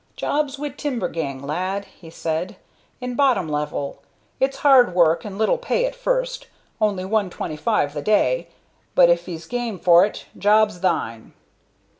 "Job's wi' timber gang, lad," he said, "in bottom level. It's hard work and little pay at first only one twenty five the day but if 'ee's game for it, job's thine."